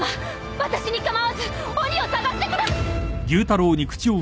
私に構わず鬼を捜してくだ。